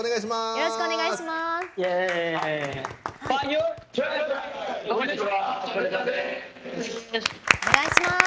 よろしくお願いします。